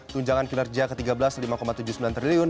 tunjangan kinerja ke tiga belas lima tujuh puluh sembilan triliun